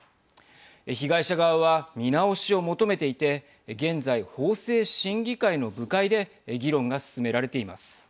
被害者側は見直しを求めていて現在、法制審議会の部会で議論が進められています。